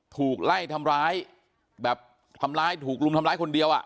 ถูกไล่ทำร้ายแบบทำร้ายถูกรุมทำร้ายคนเดียวอ่ะ